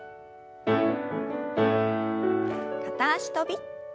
片脚跳び。